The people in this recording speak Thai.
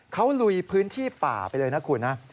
เขาลุยพื้นที่ป่าไปเลยนะคุณนะ